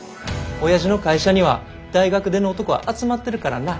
親父の会社には大学出の男が集まってるからな。